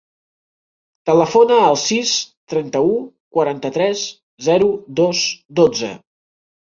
Telefona al sis, trenta-u, quaranta-tres, zero, dos, dotze.